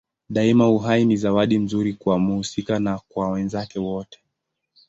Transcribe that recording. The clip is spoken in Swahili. Daima uhai ni zawadi nzuri kwa mhusika na kwa wenzake wote.